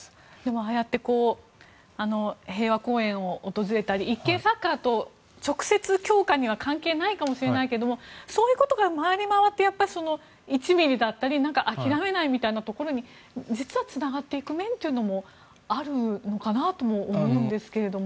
ああやって平和公園を訪れたり一見、サッカーと直接強化には関係ないかもしれないけどそういうことが回り回って１ｍｍだったり諦めないみたいなところに実はつながっていく面というのもあるのかなとも思うんですけれども。